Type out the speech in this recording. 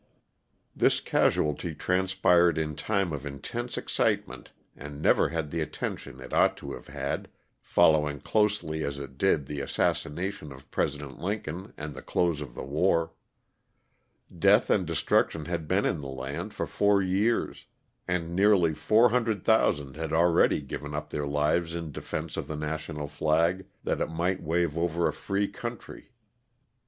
This casualty transpired in time of intense excitement and never had the attention it ought to have had, following closely as it did the assassination of President Lincoln and the close of the war. Death and destruction had been in the land for four years, and nearly 400,000 had already given up their lives in defense of the national flag, that it might wave over a free country.